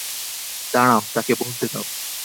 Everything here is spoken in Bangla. দাড়াও, তাকে বলতে দাও।